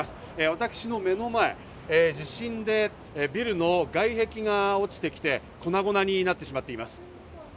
私の目の前、地震でビルの外壁が落ちてきて粉々になってしまっています。